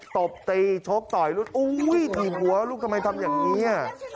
ตบตีโชคต่อยตีหัวลูกทำไมทำอย่างนี้